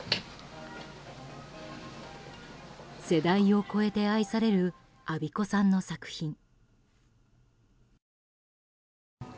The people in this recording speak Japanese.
世代を超えて愛される安孫子さんの作品。